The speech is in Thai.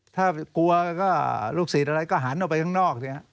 ถ้ากลัวก็ลูกศิษย์อะไรก็หันออกไปข้างนอก